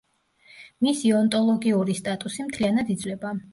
მისი ონტოლოგიური სტატუსი მთლიანად იცვლება.